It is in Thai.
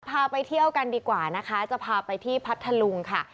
พาไปเที่ยวกันดีกว่านะคะจะพาไปที่พัทธลุงค่ะ